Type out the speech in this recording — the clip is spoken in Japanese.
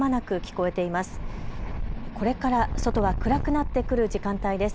これから外は暗くなってくる時間帯です。